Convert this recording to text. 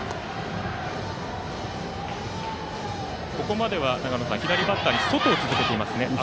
ここまでは左バッターに外を続けてますね。